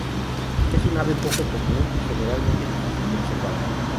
Es un ave poco común y generalmente difícil de observar.